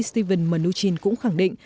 stephen mnuchin cũng khẳng định